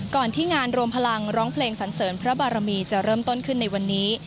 ที่งานรวมพลังร้องเพลงสันเสริญพระบารมีจะเริ่มต้นขึ้นในวันนี้